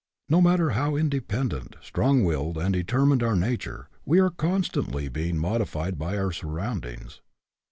No matter how independent, strong willed, and determined our nature, we are constantly being modified by our surroundings.